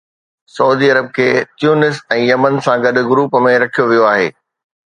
Saudi Arabia Tunisia ۽ Yemen سان گڏ group ۾ رکيو ويو آهي